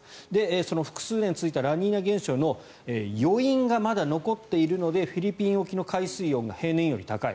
その複数年続いたラニーニャ現象の余韻がまだ残っているのでフィリピン沖の海水温が平年より高い。